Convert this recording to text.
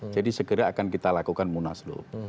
jadi segera akan kita lakukan munas lut